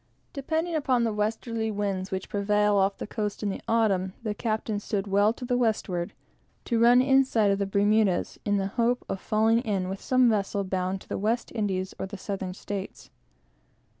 Depending upon the westerly winds, which prevail off the coast in the autumn, the captain stood well to the westward, to run inside of the Bermudas, and in the hope of falling in with some vessel bound to the West Indies or the Southern States.